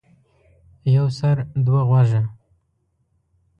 يو سر ،دوه غوږه.